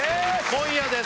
今夜です